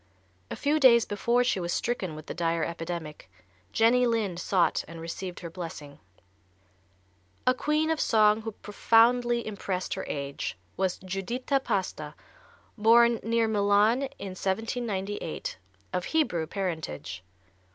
A few days before she was stricken with the dire epidemic Jenny Lind sought and received her blessing. A queen of song who profoundly impressed her age was Giuditta Pasta, born near Milan in 1798, of Hebrew parentage.